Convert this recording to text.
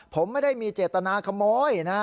ผมไม่ได้มีเจตนาขโมยนะ